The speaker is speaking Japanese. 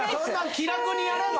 気楽にやれば。